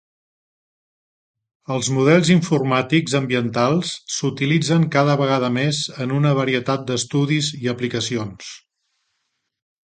Els models informàtics ambientals s'utilitzen cada vegada més en una varietat d'estudis i aplicacions.